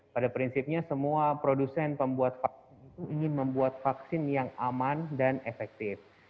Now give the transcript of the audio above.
pada prinsipnya semua produsen pembuat vaksin ingin membuat vaksin yang aman dan efektif